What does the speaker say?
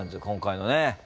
今回のね。